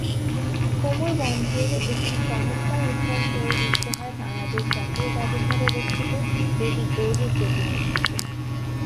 কোমরবন্ধের একটি চমৎকার উদাহরণ পরিদৃষ্ট হয় বাংলাদেশ জাতীয় জাদুঘরে রক্ষিত দেবী গৌরীর প্রতিমূর্তিতে।